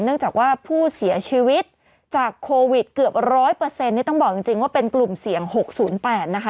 เนื่องจากว่าผู้เสียชีวิตจากโควิดเกือบ๑๐๐นี่ต้องบอกจริงว่าเป็นกลุ่มเสี่ยง๖๐๘นะคะ